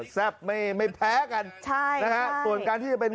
แซ่บไม่ไม่แพ้กันใช่นะฮะส่วนการที่จะเป็น